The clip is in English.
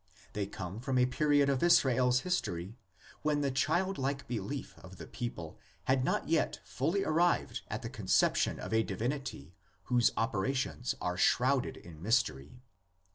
They come from a period of Israel's history when the childlike belief of the people had not yet fully arrived at the conception of a divinity whose operations are shrouded in mystery.